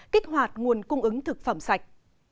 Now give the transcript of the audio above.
kích hoạt nguồn cung ứng thực phẩm sạch